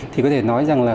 thì có thể nói rằng